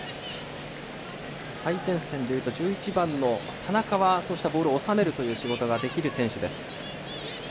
最前線でいうと１１番の田中はそうしたボールを収めるという仕事ができる選手です。